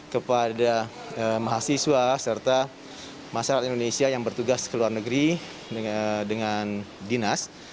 kepada mahasiswa serta masyarakat indonesia yang bertugas ke luar negeri dengan dinas